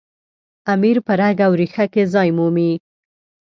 امیر په رګ او ریښه کې ځای مومي.